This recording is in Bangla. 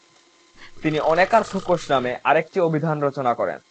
তিনি অনেকার্থ কোষ নামে আরেকটি অভিধান রচনা করেন।